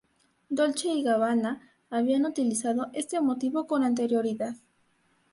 Dolce y Gabbana habían utilizado este motivo con anterioridad.